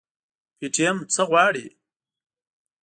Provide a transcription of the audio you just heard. پي ټي ايم څه غواړي؟